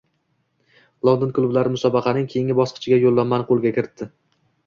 London klublari musobaqaning keyingi bosqichiga yo‘llanmani qo‘lga kiritdi